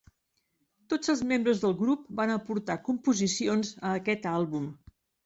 Tots els membres del grup van aportar composicions a aquest àlbum.